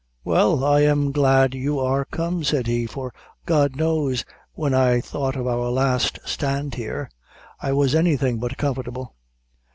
"Well, I am glad you are come," said he, "for God knows when I thought of our last stand here, I was anything but comfortable."